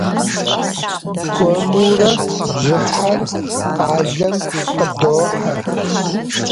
Хуэмурэ бжьыхьэр къалэм къыдохьэ.